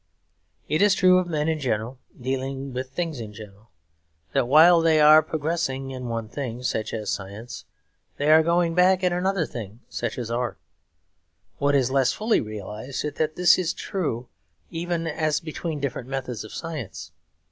It is true of men in general, dealing with things in general, that while they are progressing in one thing, such as science, they are going back in another thing, such as art. What is less fully realised is that this is true even as between different methods of science.